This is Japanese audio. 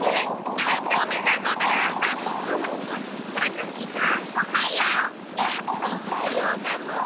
アハッおはようなのだ。